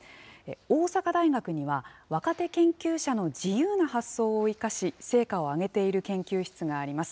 大阪大学には、若手研究者の自由な発想を生かし、成果を上げている研究室があります。